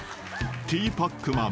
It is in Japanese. ［ティーパックマン。